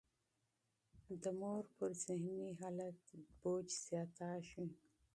د مور پر ذهني حالت فشار زیاتېږي.